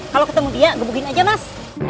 kalau ketemu dia gebukin aja mas